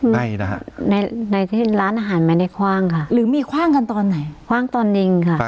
ไม่นะคะในที่ร้านอาหารไม่ได้คว่างค่ะหรือมีคว่างกันตอนไหนคว่างตอนนิงค่ะ